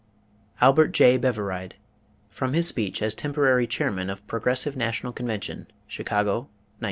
ALBERT J. BEVERIDGE, From his speech as temporary chairman of Progressive National Convention, Chicago, 1912.